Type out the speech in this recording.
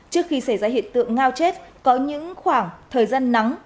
trước khi xảy ra hiện tượng ngao chết có những khoảng thời gian nắng